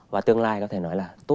và tương lai có thể nói là tốt